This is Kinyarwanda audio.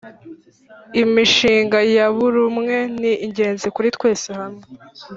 Imishinga yaburumwe ni ingenzi kuri twese hamwe